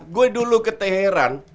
gue dulu ke teheran